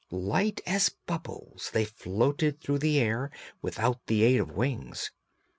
Light as bubbles they floated through the air without the aid of wings.